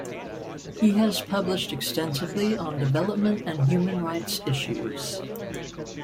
He has published extensively on development and human rights issues.